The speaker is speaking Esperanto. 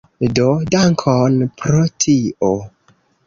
Do, dankon pro tio